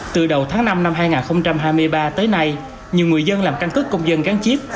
từ đầu tháng năm năm hai nghìn hai mươi ba tới nay nhiều người dân làm căn cứ công dân gắn chip